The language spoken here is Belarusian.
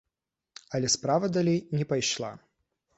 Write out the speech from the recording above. Але справа далей не пайшла.